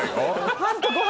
パンとご飯！